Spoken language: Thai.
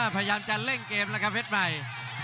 พยายามจะเร่งเกมแล้วครับเพชรใหม่